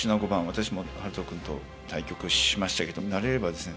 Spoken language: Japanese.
私も晴都君と対局しましたけど慣れればですね